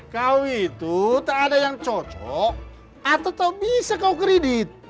kau itu tak ada yang cocok atau bisa kau kredit